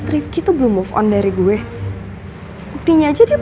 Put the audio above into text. luckily gak ada si nadif